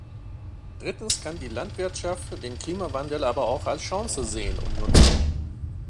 Drittens kann die Landwirtschaft den Klimawandel aber auch als Chance sehen und nutzen.